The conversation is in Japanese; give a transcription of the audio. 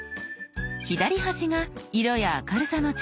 左端が「色や明るさの調整」。